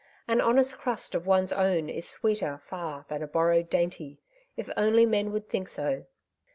An honest crust of one's own is sweeter far than a borrowed dainty^ if only men would think so.